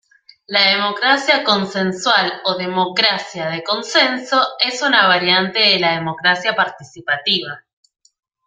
La democracia consensual o "democracia de consenso" es una variante de la democracia participativa.